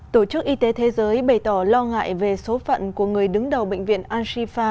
tổ chức y tế thế giới bày tỏ lo ngại về số phận của người đứng đầu bệnh viện ansifa